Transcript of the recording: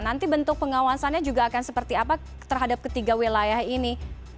nanti bentuk pengawasannya juga akan seperti apa terhadap ketiga wilayah ini